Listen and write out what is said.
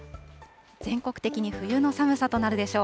全国的に冬の寒さとなるでしょう。